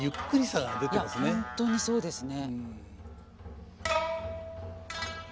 いや本当にそうですね。